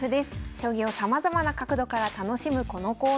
将棋をさまざまな角度から楽しむこのコーナー。